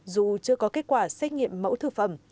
dù chưa có kết quả xét nghiệm mẫu thực phẩm